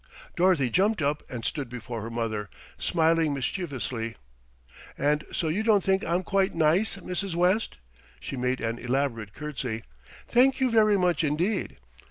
Dorothy jumped up and stood before her mother, smiling mischievously. "And so you don't think I'm quite nice, Mrs. West?" She made an elaborate curtsey. "Thank you very much indeed.